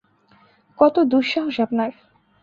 কত দুঃসাহস আপনার!